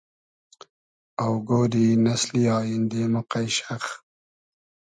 آوگۉۮی نئسلی آییندې مۉ قݷشئخ